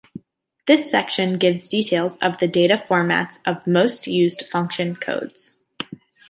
This section gives details of data formats of most used function codes.